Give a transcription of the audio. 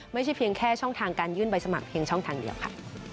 ไม่ใช่เพียงแค่ช่องทางการยื่นใบสมัครเพียงช่องทางเดียวค่ะ